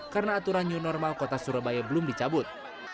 karena aturan new normal kota surabaya belum dicabut